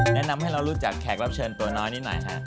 แนะนำให้เรารู้จักแขกรับเชิญตัวน้อยนิดหน่อยค่ะ